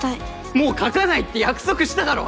もう描かないって約束しただろ！